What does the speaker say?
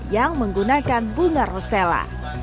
yang menggunakan bunga rosella